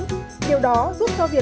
điều đó giúp cho việt nam có cơ hội